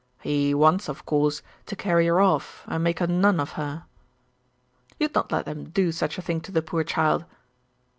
'He wants, of course, to carry her off and make a nun of her.' 'You would not let him do such a thing to the poor child?